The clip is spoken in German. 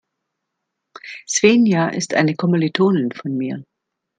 Svenja ist eine Kommilitonin von mir.